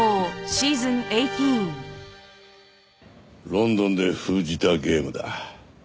ロンドンで封じたゲームだ。